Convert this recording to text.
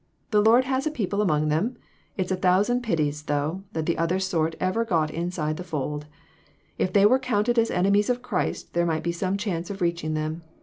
The Lord has a people among them ; it's a thousand pities, though, that the other sort ever got inside the fold. If they were counted as enemies of Christ there might be some chance of reaching them.